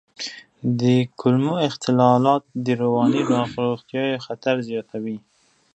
د کولمو اختلالات د رواني ناروغیو خطر زیاتوي.